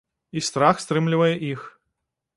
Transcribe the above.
І страх стрымлівае іх.